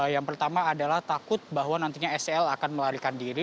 yang pertama adalah takut bahwa nantinya scl akan melarikan diri